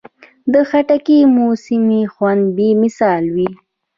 د خټکي موسمي خوند بې مثاله وي.